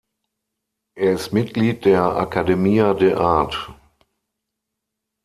Er ist Mitglied der Academia de Artes.